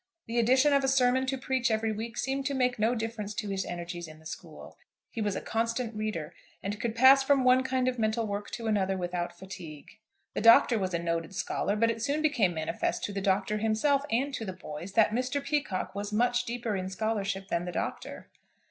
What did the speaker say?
The addition of a sermon to preach every week seemed to make no difference to his energies in the school. He was a constant reader, and could pass from one kind of mental work to another without fatigue. The Doctor was a noted scholar, but it soon became manifest to the Doctor himself, and to the boys, that Mr. Peacocke was much deeper in scholarship than the Doctor.